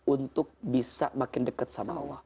untuk bisa makin dekat sama allah